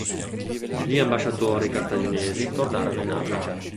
Gli ambasciatori cartaginesi tornarono in Africa.